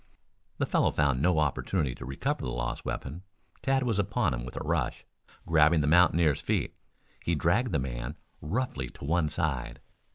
The fellow found no opportunity to recover the lost weapon. Tad was upon him with a rush. Grabbing the mountaineer's feet he dragged the man roughly to one side.